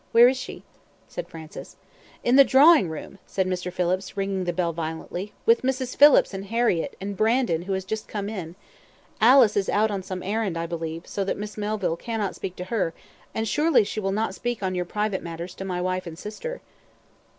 Where is she?" said Francis. "In the drawing room," said Mr. Phillips, ringing the bell violently, "with Mrs. Phillips and Harriett, and Brandon, who has just come in. Alice is out on some errand, I believe; so that Miss Melville cannot speak to her, and she surely will not speak on your private matters to my wife and sister."